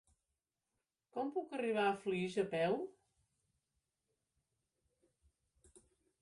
Com puc arribar a Flix a peu?